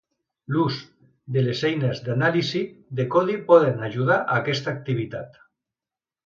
L'ús de les eines d'anàlisi de codi poden ajudar a aquesta activitat.